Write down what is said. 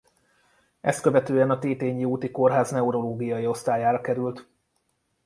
Ezt követően a Tétényi úti kórház neurológiai osztályára került.